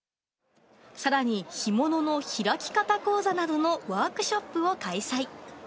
さらに干物の開き方講座などのワークショップを開催。